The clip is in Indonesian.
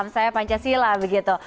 saya pancasila begitu